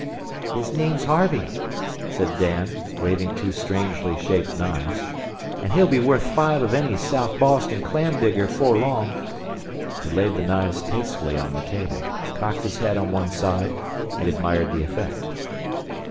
"His name's Harvey," said Dan, waving two strangely shaped knives, "an' he'll be worth five of any Sou' Boston clam digger 'fore long." He laid the knives tastefully on the table, cocked his head on one side, and admired the effect.